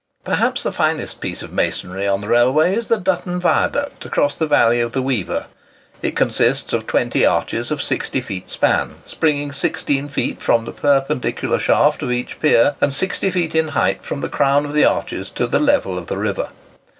Perhaps the finest piece of masonry on the railway is the Dutton Viaduct across the valley of the Weaver. It consists of twenty arches of 60 feet span, springing 16 feet from the perpendicular shaft of each pier, and 60 feet in height from the crown of the arches to the level of the river.